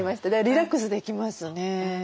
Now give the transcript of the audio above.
リラックスできますね。